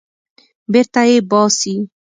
بېرته یې باسي.